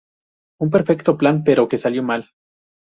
Un perfecto plan pero que salió mal.